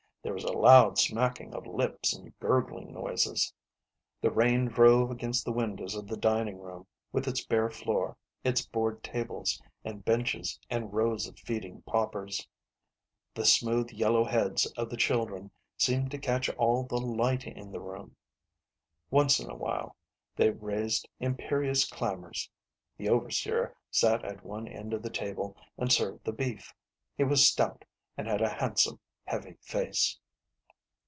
There was a loud smacking of lips and gurgling noises. The rain drove against the windows of the dining room, with its bare floor, its board tables and benches, and rows of feeding paupers. The smooth yellow heads of the children seemed to catch all the light in the room. Once in a while they raised imperious clamors. The overseer sat at one end of the table and served the beef. He was stout, and had a handsome, heavy face.